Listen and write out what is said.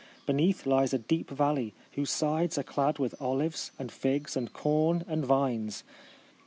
Beneath lies a deep valley, whose sides are clad with olives, and figs, and corn, and vines.